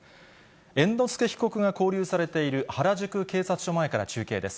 猿之助被告が勾留されている原宿警察署前から中継です。